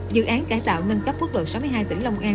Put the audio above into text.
dự án cải tạo nâng cấp quốc lộ sáu mươi hai tỉnh long an